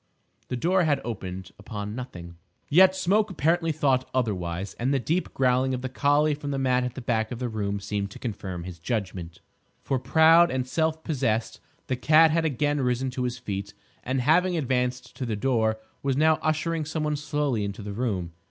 The door had opened upon nothing. Yet Smoke apparently thought otherwise, and the deep growling of the collie from the mat at the back of the room seemed to confirm his judgment. For, proud and self possessed, the cat had again risen to his feet, and having advanced to the door, was now ushering some one slowly into the room.